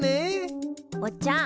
おっちゃん